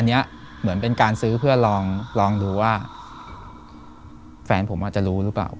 อันนี้เหมือนเป็นการซื้อเพื่อลองดูว่าแฟนผมอาจจะรู้หรือเปล่า